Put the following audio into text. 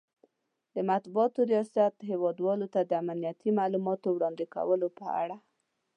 ،د مطبوعاتو ریاست هیواد والو ته د امنیتي مالوماتو وړاندې کولو په اړه